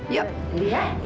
yuk nanti ya